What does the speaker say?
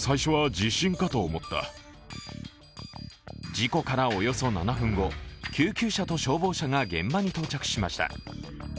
事故からおよそ７分後、救急車と消防車が現場に到着しました。